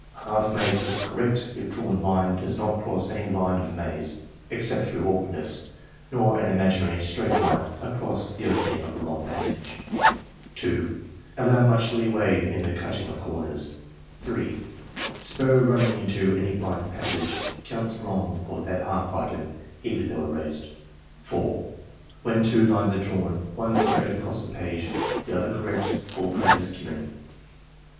A half maze is correct if drawn line does not cross any line of maze (except through awkwardness) nor an imaginary straight line across the opening of a wrong passage. 2. Allow much leeway in the cutting of corners, 3. Spur running into any blind passage counts wrong for that half item, even though erased, 4. When two lines are drawn, one straight across the page, the other correct, full credit is given.